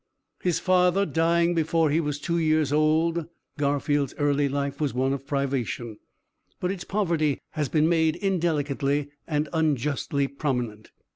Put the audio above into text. "His father dying before he was two years old, Garfield's early life was one of privation, but its poverty has been made indelicately and unjustly prominent.